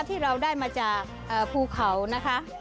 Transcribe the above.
ที่เราได้มาจากภูเขานะคะ